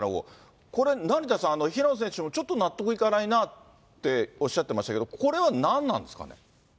これ成田さん、平野選手もちょっと納得いかないなっておっしゃってましたけど、これは何なんですかね。